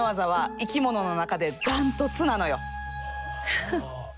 フッ！